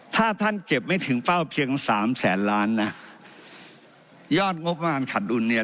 ถ้าท่านเก็บไม่ถึงเป้าเพียงสามแสนล้านนะยอดงบประมาณขาดดุลเนี่ย